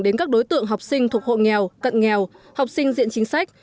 đến các đối tượng học sinh thuộc hộ nghèo cận nghèo học sinh diện chính sách